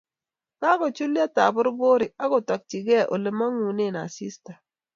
Kakochulyo taborborik agotokchige olemangunen asista